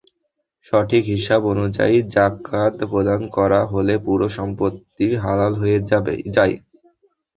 সঠিক হিসাব অনুযায়ী জাকাত প্রদান করা হলে পুরো সম্পত্তিই হালাল হয়ে যায়।